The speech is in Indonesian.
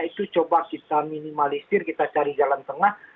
itu coba kita minimalisir kita cari jalan tengah